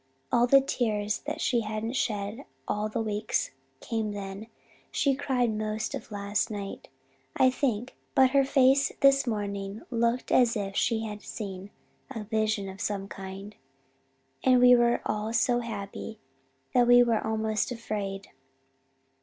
All the tears that she hadn't shed all that week came then. She cried most of last night, I think, but her face this morning looked as if she had seen a vision of some kind, and we were all so happy that we were almost afraid.